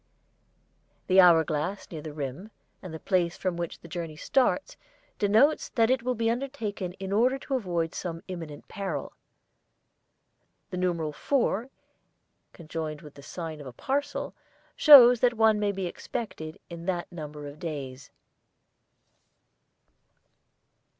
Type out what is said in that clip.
The hour glass near the rim and the place from which the journey starts denotes that it will be undertaken in order to avoid some imminent peril. The numeral '4' conjoined with the sign of a parcel shows that one may be expected in that number of days.